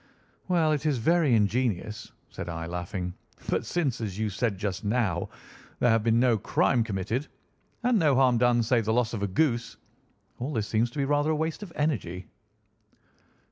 "Well, it is very ingenious," said I, laughing; "but since, as you said just now, there has been no crime committed, and no harm done save the loss of a goose, all this seems to be rather a waste of energy."